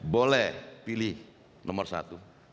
boleh pilih nomor satu